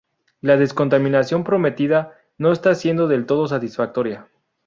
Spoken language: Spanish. La descontaminación prometida no está siendo del todo satisfactoria.